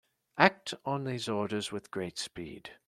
Act on these orders with great speed.